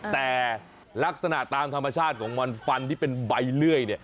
แต่ลักษณะตามธรรมชาติของมันฟันที่เป็นใบเลื่อย